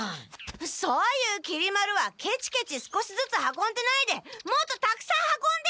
そういうきり丸はケチケチ少しずつ運んでないでもっとたくさん運んでよ！